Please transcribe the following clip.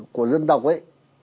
của dân tộc ấy